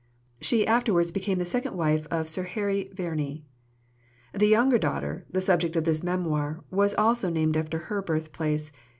She afterwards became the second wife of Sir Harry Verney. The younger daughter, the subject of this Memoir, was also named after her birthplace.